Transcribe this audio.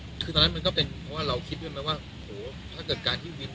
คือตอนนั้นมันก็เป็นเพราะว่าเราคิดด้วยไหมว่าโหถ้าเกิดการที่วิน